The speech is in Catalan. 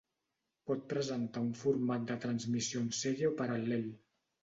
Pot presentar un format de transmissió en sèrie o paral·lel.